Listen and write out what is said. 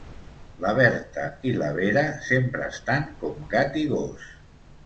La Berta i la Vera sempre estan com gat i gos